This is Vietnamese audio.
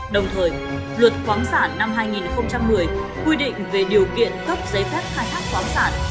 đồng thời luật khoáng sản năm hai nghìn một mươi quy định về điều kiện cấp giấy phép khai thác khoáng sản